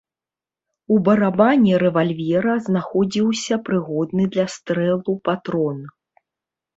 У барабане рэвальвера знаходзіўся прыгодны для стрэлу патрон.